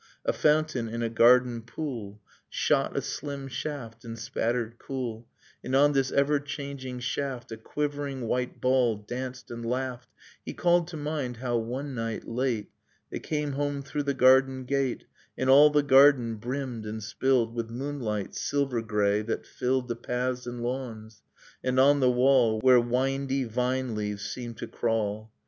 . A fountain in a garden pool Shot a slim shaft and spattered cool, And on this ever changing shaft A quivering white ball danced and laughed He called to mind how one night, late, They came home through the garden gate, And all the garden brimmed and spilled With moonlight, silver grey, that filled The paths and lawns, and on the wall, Where windy vine leaves seemed to crawl.